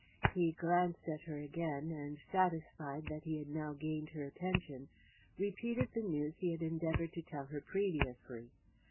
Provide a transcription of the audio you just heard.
He glanced at her again, and satisfied that he had now gained her attention, repeated the news he had endeavoured to tell her previously.